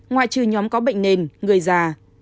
ngoại trừ nhóm có bệnh nền người già